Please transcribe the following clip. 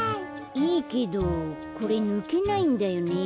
いいけどこれぬけないんだよね。